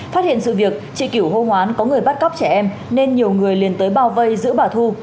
phát hiện sự việc chị kiểu hô hoán có người bắt cóc trẻ em nên nhiều người liền tới bao vây giữ bà thu